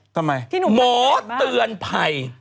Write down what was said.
หมอเตือนภัย